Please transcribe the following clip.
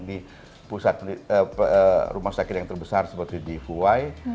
di pusat rumah sakit yang terbesar seperti di fuwai